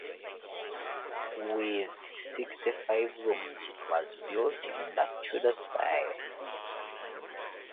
With sixty-five rooms, it was built in the Tudor style.